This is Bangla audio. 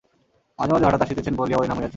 মাঝে মাঝে হঠাৎ আসিতেন বলিয়া ঐ নাম হইয়াছিল।